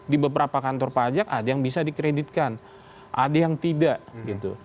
di beberapa kantor pajak ada yang bisa dikreditkan ada yang tidak gitu